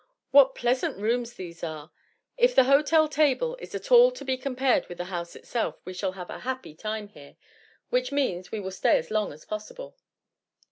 What pleasant rooms these are. If the hotel table is at all to be compared with the house itself we shall have a happy time here, which means we will stay as long as possible."